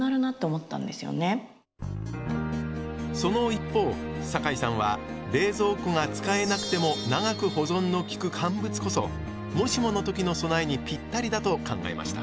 一方サカイさんは冷蔵庫が使えなくても長く保存の利く乾物こそもしもの時の備えにぴったりだと考えました。